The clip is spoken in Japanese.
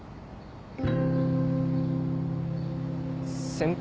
先輩。